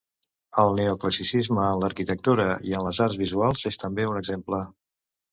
El neoclassicisme en l'arquitectura i en les arts visuals és també un exemple.